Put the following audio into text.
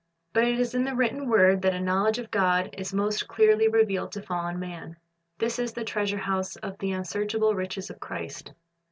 But it is in the written word that a knowledge of God is most clearly revealed to fallen man. This is the treasure house of the unsearchable riches of Christ.